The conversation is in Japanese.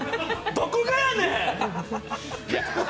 どこがやねん！